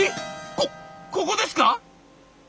こここですか！？」。